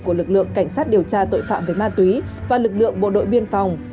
của lực lượng cảnh sát điều tra tội phạm về ma túy và lực lượng bộ đội biên phòng